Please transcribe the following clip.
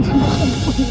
ya ampun papa